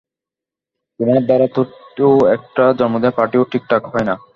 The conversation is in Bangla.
তোমার দ্বারা তো একটা জন্মদিনের পার্টি ও ঠিকঠাক হয় না।